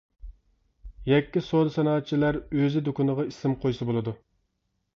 يەككە سودا-سانائەتچىلەر ئۆز دۇكىنىغا ئىسىم قويسا بولىدۇ.